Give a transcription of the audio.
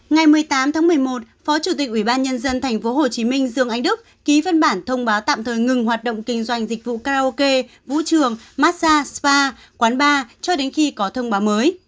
ngày một mươi tám tháng một mươi một phó chủ tịch ủy ban nhân dân tp hcm dương anh đức ký văn bản thông báo tạm thời ngừng hoạt động kinh doanh dịch vụ karaoke vũ trường massage spa quán bar cho đến khi có thông báo mới